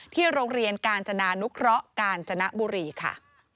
โรงเรียนกาญจนานุเคราะห์กาญจนบุรีค่ะ